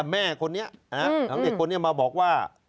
แม่ของเด็กคนนี้มาบอกว่า